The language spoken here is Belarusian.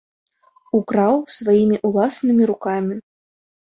Украў сваімі ўласнымі рукамі.